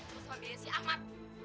lo sama bensi ahmad lo juga nanggung